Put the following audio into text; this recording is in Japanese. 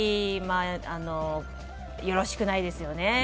よろしくないですよね。